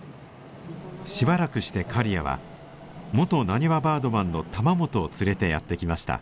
しばらくして刈谷は元なにわバードマンの玉本を連れてやって来ました。